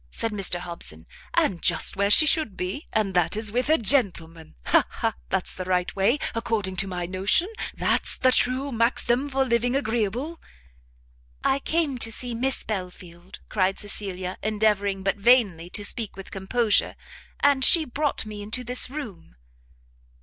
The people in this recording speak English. said Mr Hobson, "and just where she should be, and that is with a gentleman. Ha! ha! that's the right way, according to my notion! that's the true maxim for living agreeable." "I came to see Miss Belfield," cried Cecilia, endeavouring, but vainly, to speak with composure, "and she brought me into this room."